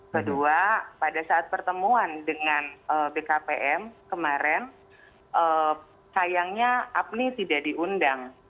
kedua pada saat pertemuan dengan bkpm kemarin sayangnya apni tidak diundang